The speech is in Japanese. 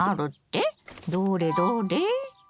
どれどれ？